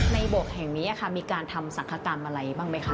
ในโบสถ์แห่งนี้มีการทำศักดิ์กรรมอะไรบ้างไหมคะ